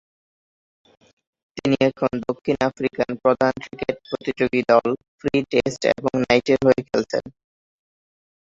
তিনি এখন দক্ষিণ আফ্রিকান প্রধান ক্রিকেট প্রতিযোগী দল ফ্রি স্টেট এবং নাইট এর হয়ে খেলছেন।